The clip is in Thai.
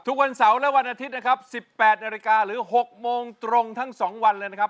ทุกวันเสาร์และวันอาทิตย์นะครับ๑๘นาฬิกาหรือ๖โมงตรงทั้ง๒วันเลยนะครับ